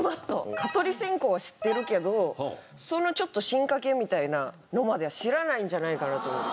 蚊取り線香は知ってるけどそのちょっと進化形みたいなのまでは知らないんじゃないかなと思って。